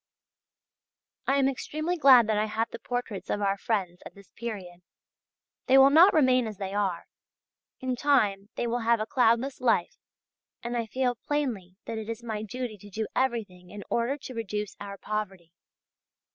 I am extremely glad that I have the portraits of our friends at this period. They will not remain as they are; in time they will have a cloudless life, and I feel plainly that it is my duty to do everything in order to reduce our poverty.